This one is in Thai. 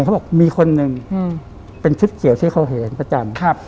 เขาบอกมีคนหนึ่งเป็นชุดเขียวที่เขาเห็นประจำครับ